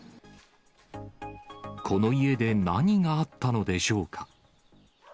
この家で何があったのでしょうか。